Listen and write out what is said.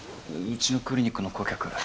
うちのクリニックの顧客。